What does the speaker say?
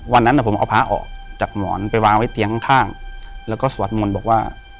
วันนั้นผมเอาพระออกจากหมอนไปวางไว้เตียงข้างแล้วก็สวดมนต์บอกว่า